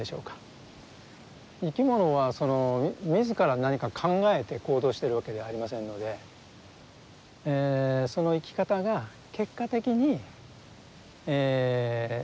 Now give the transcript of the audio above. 生き物は自ら何か考えて行動してるわけではありませんのでその生き方が結果的に他の生き物に作用している。